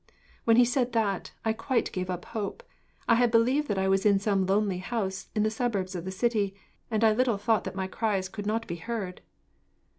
"When he said that, I quite gave up hope. I had believed that I was in some lonely house, in the suburbs of the city, and I little thought that my cries could not be heard.